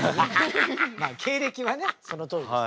まあ経歴はねそのとおりです。